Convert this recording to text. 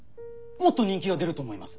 もっと人気が出ると思います。